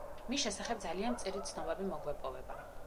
მის შესახებ ძალიან მწირი ცნობები მოგვეპოვება.